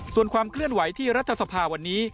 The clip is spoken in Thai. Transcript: ส่วนความเคลื่อนไหวที่รัฐสภาวันนี้